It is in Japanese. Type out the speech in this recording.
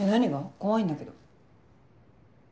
怖いんだけど。